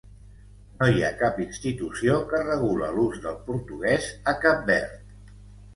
No hi ha cap institució que regula l'ús del portuguès a Cap Verd.